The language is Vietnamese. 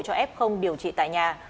cho ép không điều trị tại nhà